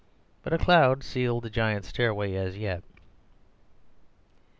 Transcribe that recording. But a cloud sealed the giant stairway as yet.